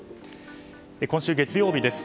今週月曜日です。